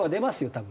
多分。